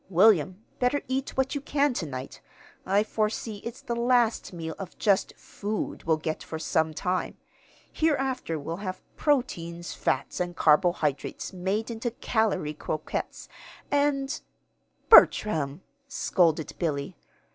"William, better eat what you can to night. I foresee it's the last meal of just food we'll get for some time. Hereafter we'll have proteins, fats, and carbohydrates made into calory croquettes, and " "Bertram!" scolded Billy.